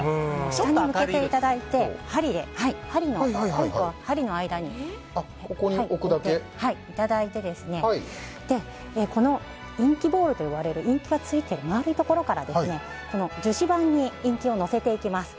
下に向けていただいて針の間に置いていただいてインキボールといわれるインキがついている丸いところから樹脂版にインキをのせていきます。